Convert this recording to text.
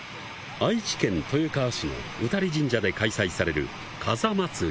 愛知県豊川市の菟足神社で開催される、風まつり。